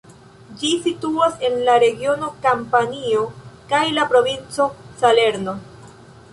Ĝi situas en la regiono Kampanio kaj la provinco Salerno.